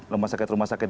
rumah sakit rumah sakit